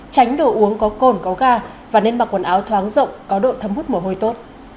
tránh đồ uống có cồn có ga và nên mặc quần áo thoáng rộng có độ thấm hút mồ hôi tốt